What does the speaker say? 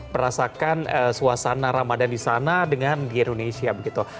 merasakan suasana ramadan di sana dengan di indonesia begitu